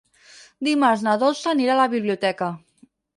Dimarts na Dolça anirà a la biblioteca.